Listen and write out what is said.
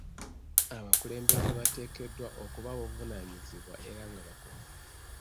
Abakulembeze bateekeddwa okuba ab'obuvunaanyizibwa era nga bakozi.